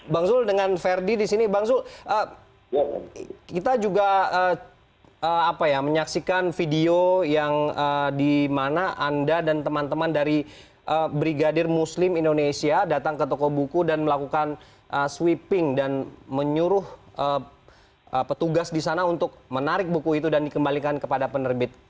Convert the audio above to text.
bang zulkifli dengan ferdi di sini bang zulkifli kita juga apa ya menyaksikan video yang di mana anda dan teman teman dari brigadir muslim indonesia datang ke toko buku dan melakukan sweeping dan menyuruh petugas di sana untuk menarik buku itu dan dikembalikan kepada penerbit